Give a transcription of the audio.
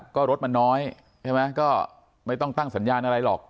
ก็รถมันน้อยใช่ไหมก็ไม่ต้องตั้งสัญญาณอะไรหรอก